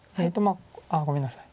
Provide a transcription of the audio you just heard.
あっごめんなさい。